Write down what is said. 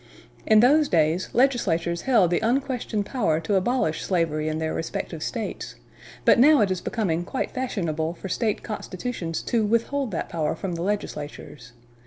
In those days, legislatures held the unquestioned power to abolish slavery in their respective States, but now it is becoming quite fashionable for State constitutions to withhold that power from the legislatures.